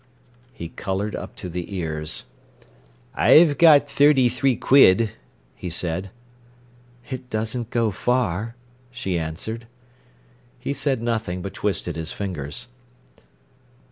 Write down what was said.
He coloured up to the ears. "I've got thirty three quid," he said. "It doesn't go far," she answered. He said nothing, but twisted his fingers.